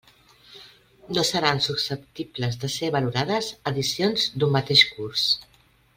No seran susceptibles de ser valorades edicions d'un mateix curs.